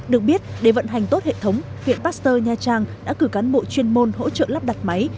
được biết để vận hành tốt hệ thống viện pasteur nha trang đã cử cán bộ chuyên môn hỗ trợ lắp đặt máy